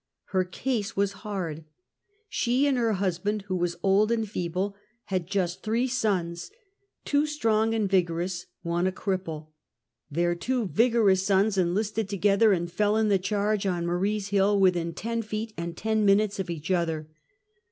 Her case was hard. She and her husband, who was old and feeble, had just three sons, two strong and vig orous, one a cripple. Th eir two vigorous sons enlisted together, and fell in the charge on Marie's Hill, within ten feet and ten minutes of each other.